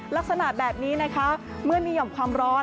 ลักษณะแบบนี้นะคะเมื่อมีห่อมความร้อน